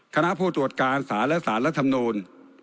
คณะผู้ตรวจการศาสตร์และศาสตร์และธรรมนูล